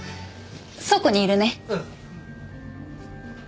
倉庫にいるね。